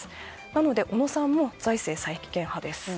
なので小野さんも財政再建派です。